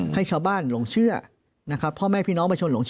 ให้ชาวบ้านหลงเชื่อนะครับ